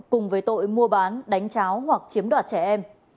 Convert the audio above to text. cùng với tội mua bán đánh cháo hoặc chiếm đoạt trẻ em